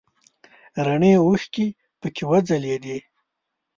رڼې اوښکې پکې وځلیدې.